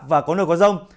và có nơi có rông